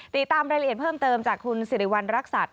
ติดตามรายละเอียดเพิ่มเติมจากคุณสิริวัณรักษัตริย